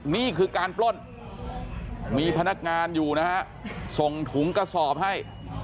นี่คือการปล้นมีพนักงานอยู่นะฮะส่งถุงกระสอบให้